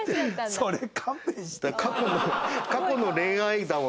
それ勘弁して。